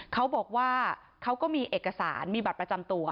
เขาบอกว่าเขาก็มีเอกสารมีบัตรประจำตัว